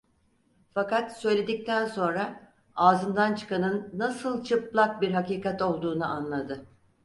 Fakat söyledikten sonra ağzından çıkanın nasıl çıplak bir hakikat olduğunu anladı.